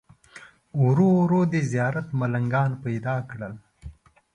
ورو ورو دې زیارت ملنګان پیدا کړل.